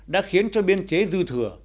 đã khiến cho biên chế dư thừa